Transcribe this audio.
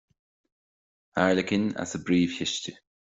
Airleacain as an bPríomh-Chiste.